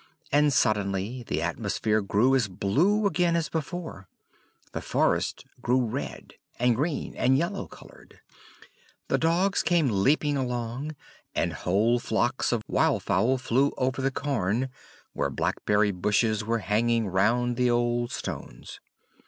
And suddenly the atmosphere grew as blue again as before; the forest grew red, and green, and yellow colored. The dogs came leaping along, and whole flocks of wild fowl flew over the cairn, where blackberry bushes were hanging round the old stones.